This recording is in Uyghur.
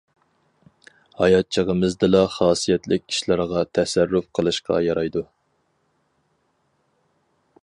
ھايات چېغىمىزدىلا خاسىيەتلىك ئىشلارغا تەسەررۇپ قىلىشقا يارايدۇ.